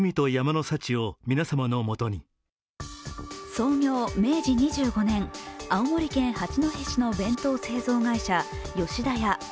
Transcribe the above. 創業明治２５年、青森県八戸市の弁当製造会社、吉田屋。